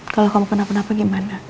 kalau kamu pernah kenapa gimana